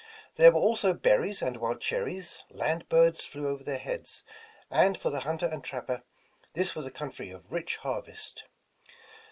There were also ber ries and wild cherries; land birds flew over their heads ; and for the hunter and trapper this was a coun try of rich harvest.